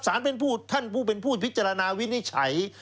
ศาลเป็นผู้ท่านผู้เป็นผู้พิจารณาวินิจฉัย